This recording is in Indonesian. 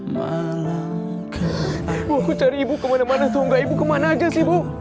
wah aku cari ibu kemana mana tau gak ibu kemana aja sih ibu